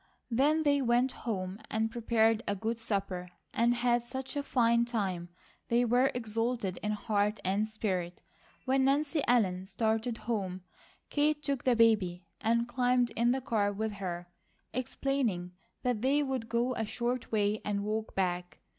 Then they went home and prepared a good supper and had such a fine time they were exalted in heart and spirit. When Nancy Ellen started home, Kate took the baby and climbed in the car with her, explaining that they would go a short way and walk back.